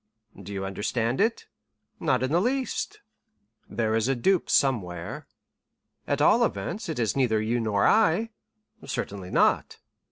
"Do you understand it?" "Not in the least." "There is a dupe somewhere." "At all events, it is neither you nor I." "Certainly not."